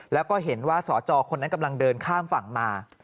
แล้วก็เห็นว่าสจคนนั้นกำลังเดินข้ามฝั่งมา